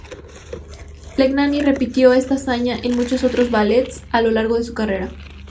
Legnani repitió esta hazaña en muchos otros ballets a lo largo de su carrera.